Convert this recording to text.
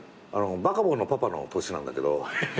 バカボンのパパの年なんだけど。